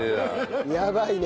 やばいね。